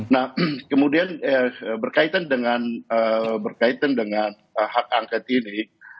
nah kemudian berkaitan dengan hak angket ini